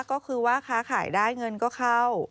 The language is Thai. ก็คือว่าค้าขายได้เงินก็เข้า